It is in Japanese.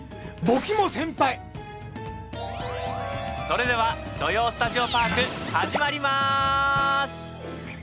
それでは「土曜スタジオパーク」始まりまーす！